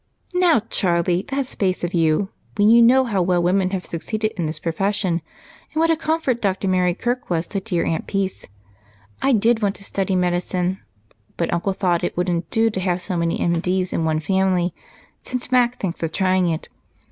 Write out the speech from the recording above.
"Now, Charlie, that's base of you, when you know how well women have succeeded in this profession and what a comfort Dr. Mary Kirk was to dear Aunt Peace. I did want to study medicine, but Uncle thought it wouldn't do to have so many M.D.'s in one family, since Mac thinks of trying it.